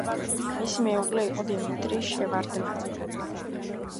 მისი მეუღლე იყო დიმიტრი შევარდნაძე.